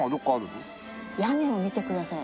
屋根を見てください。